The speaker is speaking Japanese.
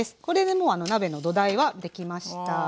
これでもう鍋の土台はできました。